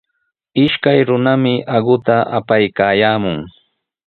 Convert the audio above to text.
Ishkay runami aquta apaykaayaamun.